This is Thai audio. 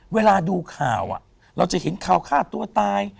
เวลาดูข่าวเราจะเห็นข่าวฆ่าตัวตาย